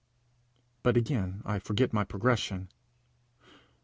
But again I forget my progression.